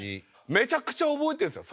めちゃくちゃ覚えてるんですよ